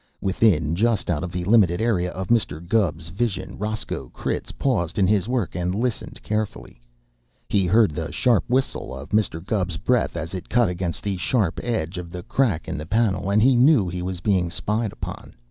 Within, just out of the limited area of Mr. Gubb's vision, Roscoe Critz paused in his work and listened carefully. He heard the sharp whistle of Mr. Gubb's breath as it cut against the sharp edge of the crack in the panel, and he knew he was being spied upon.